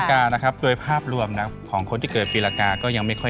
อ่าต้องรีบนะ